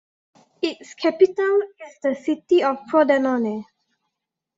Its capital is the city of Pordenone.